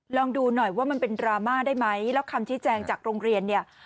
ลองดูหน่อยว่ามันเป็นดราม่าได้ไหมแล้วคำชี้แจงจากโรงเรียนเนี่ย